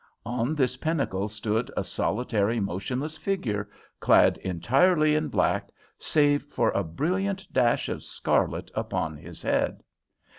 On this pinnacle stood a solitary, motionless figure clad entirely in black, save for a brilliant dash of scarlet upon his head.